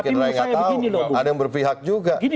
tapi saya begini lho ada yang berpihak juga